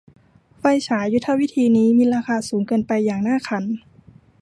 ไฟฉายยุทธวิธีนี้มีราคาสูงเกินไปอย่างน่าขัน